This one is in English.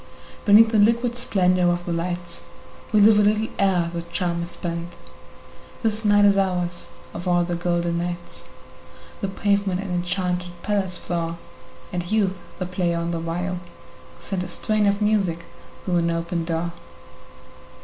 Beneath the liquid splendor of the lights We live a little ere the charm is spent; This night is ours, of all the golden nights, The pavement an enchanted palace floor, And Youth the player on the viol, who sent A strain of music through an open door.